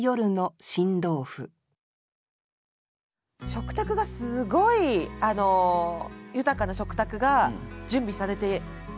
食卓がすごい豊かな食卓が準備されている夜。